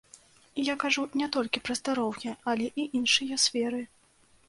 Я кажу не толькі пра здароўе, але і іншыя сферы.